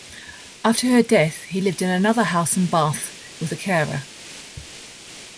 After her death he lived in another house in Bath with a carer.